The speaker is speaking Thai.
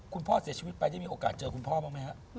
คุณพ่อเสียชีวิตไปได้มีโอกาสเจอคุณพ่อบ้างไหมครับ